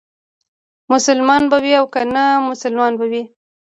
مسلمان به وي او که نامسلمان به وي.